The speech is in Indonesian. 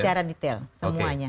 secara detail semuanya